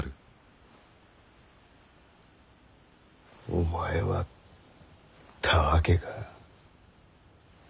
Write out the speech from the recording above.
お前はたわけか？